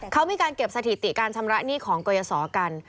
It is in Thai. เขามีการเก็บสถิติการชำระหนี้ของกรยศกัน